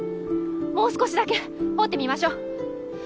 もう少しだけ掘ってみましょう。